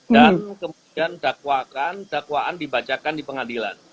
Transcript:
dan kemudian dakwaan dibacakan di pengadilan